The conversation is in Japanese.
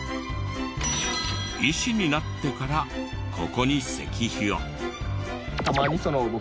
医師になってからここに石碑を。